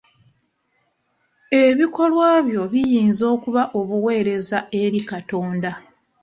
Ebikolwa byo biyinza okuba obuwereza eri Katonda .